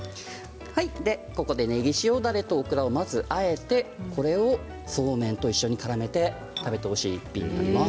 ここで、ねぎ塩だれとオクラをまずあえてこれを、そうめんとからめて食べてほしい一品です。